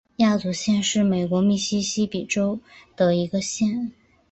亚祖县是美国密西西比州西部的一个县。